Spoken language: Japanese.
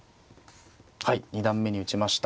はい二段目に打ちました。